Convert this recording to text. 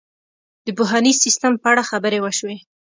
د پوهنیز سیستم په اړه خبرې وشوې.